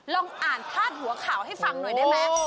ลองอ่านพาดหัวข่าวให้ฟังหน่อยได้ไหม